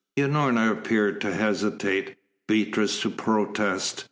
Unorna appeared to hesitate, Beatrice to protest.